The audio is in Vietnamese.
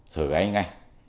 sở gái ngay